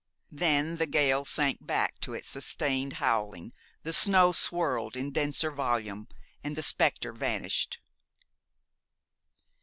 Then the gale sank back to its sustained howling, the snow swirled in denser volume, and the specter vanished.